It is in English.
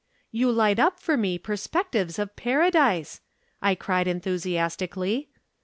'You light up for me perspectives of Paradise,' I cried enthusiastically.